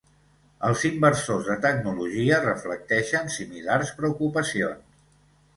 Els inversors de tecnologia reflecteixen similars preocupacions.